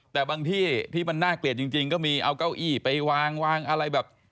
แต่บางที่ที่มันน่าเกลียดจริงก็มีเอาเก้าอี้ไปวางวางอะไรแบบ